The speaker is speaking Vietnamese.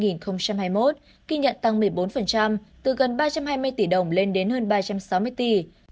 kinh nhận tăng một mươi bốn từ gần ba trăm hai mươi tỷ đồng lên đến hơn ba trăm sáu mươi tỷ